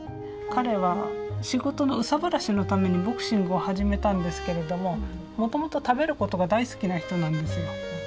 彼は仕事の憂さ晴らしのためにボクシングを始めたんですけれどももともと食べることが大好きな人なんですよ。